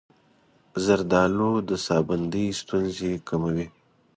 زردآلو د ساه بندۍ ستونزې کموي.